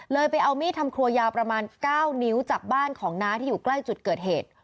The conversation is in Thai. ไปเอามีดทำครัวยาวประมาณ๙นิ้วจากบ้านของน้าที่อยู่ใกล้จุดเกิดเหตุ